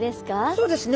そうですね。